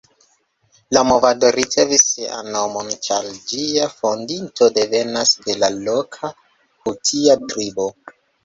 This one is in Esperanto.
La movado ricevis sian nomon ĉar ĝia fondinto devenas de la loka hutia tribo.